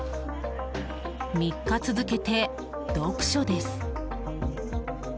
３日続けて読書です。